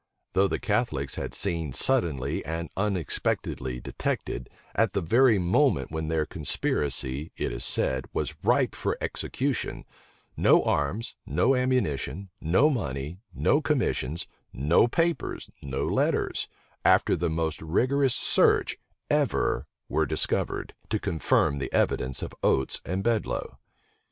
Though the Catholics had seen suddenly and unexpectedly detected, at the very moment when their conspiracy, it is said, was ripe for execution, no arms, no ammunition, no money, no commissions, no papers, no letters, after the most rigorous search, ever were discovered, to confirm the evidence of Oates and Bedloe.